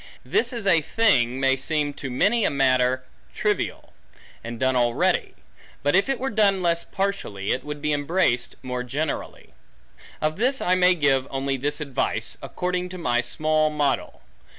This is a thing may seem to many a matter trivial, and done already. But if it were done less partially, it would be embraced more generally. Of this I may give only this advice, according to my small model.